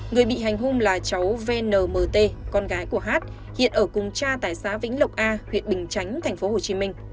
người bị hành hung là cháu vnmt con gái của hát hiện ở cùng cha tại xã vĩnh lộc a huyện bình chánh tp hcm